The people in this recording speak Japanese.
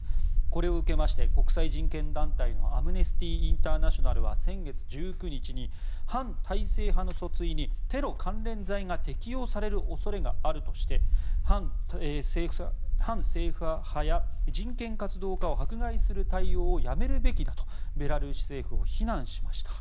これを受けて、国際人権団体のアムネスティ・インターナショナルは先月１９日に反体制派の訴追にテロ関連罪が適用される恐れがあるとして反政府派や人権活動家を迫害する対応をやめるべきだとベラルーシ政府を非難しました。